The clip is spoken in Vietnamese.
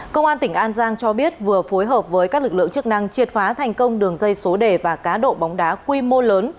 công an tỉnh an giang cho biết vừa phối hợp với các lực lượng chức năng triệt phá thành công đường dây số đề và cá độ bóng đá quy mô lớn